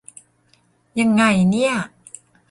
ยังไงเนี่ย